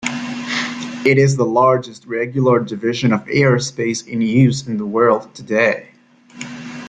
It is the largest regular division of airspace in use in the world today.